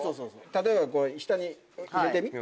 例えばこれ下に入れてみ。